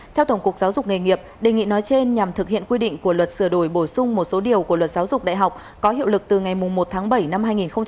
theo tổng cục giáo dục nghề nghiệp đề nghị nói trên nhằm thực hiện quy định của luật sửa đổi bổ sung một số điều của luật giáo dục đại học có hiệu lực từ ngày một tháng bảy năm hai nghìn hai mươi